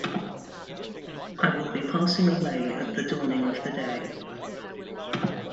I will be passing away at the dawning of the day.